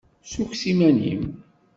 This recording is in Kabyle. Ssukkes iman-nnem.